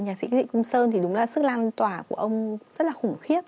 nhạc sĩ dạy công sơn thì đúng là sức lan tỏa của ông rất là khủng khiếp